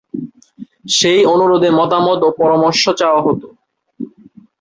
সেই অনুরোধে মতামত ও পরামর্শ চাওয়া হত।